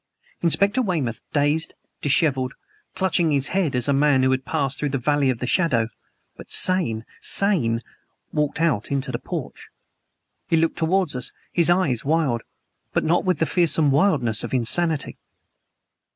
Inspector Weymouth, dazed, disheveled, clutching his head as a man who has passed through the Valley of the Shadow but sane sane! walked out into the porch! He looked towards us his eyes wild, but not with the fearsome wildness of insanity.